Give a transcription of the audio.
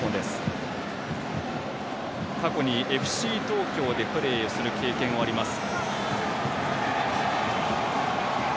過去にＦＣ東京でプレーした経験もあります。